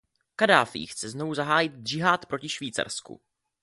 Kaddáfí chce znovu zahájit džihád proti Švýcarsku.